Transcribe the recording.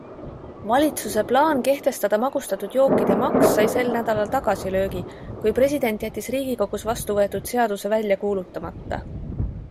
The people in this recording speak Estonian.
Valitsuse plaan kehtestada magustatud jookide maks sai sel nädalal tagasilöögi kui president jättis riigikogus vastu võetud seaduse välja kuulutamata.